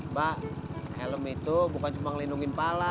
mbak elemenya itu bukan cuma ngelindungi pala